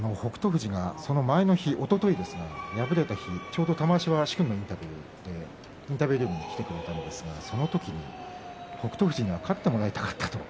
富士がその前の日のおととい敗れた日、ちょうど玉鷲は殊勲のインタビューでインタビュールームに来てくれたんですが、その時に北勝富士には勝ってもらいたかったと。